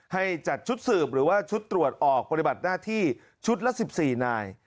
ให้จัดชุดสืบหรือว่าชุดตรวจออกปฏิบัติหน้าที่ชุดละ๑๔นาย